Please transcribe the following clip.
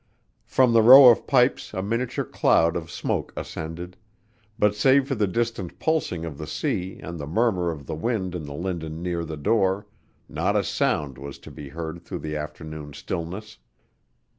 From the row of pipes a miniature cloud of smoke ascended, but save for the distant pulsing of the sea and the murmur of the wind in the linden near the door not a sound was to be heard through the afternoon stillness.